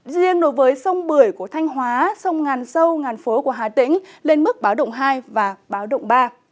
riêng đối với sông bưởi của thanh hóa sông ngàn sâu ngàn phố của hà tĩnh lên mức báo động hai và báo động ba